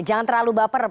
jangan terlalu baper